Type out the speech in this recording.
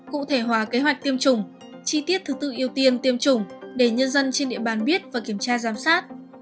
cụ thể hóa kế hoạch tiêm chủng chi tiết thứ tư ưu tiên tiêm chủng để nhân dân trên địa bàn biết và kiểm tra giám sát